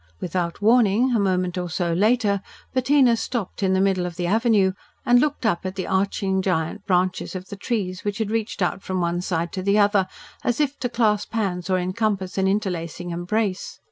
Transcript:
Without warning, a moment or so later, Bettina stopped in the middle of the avenue, and looked up at the arching giant branches of the trees which had reached out from one side to the other, as if to clasp hands or encompass an interlacing embrace.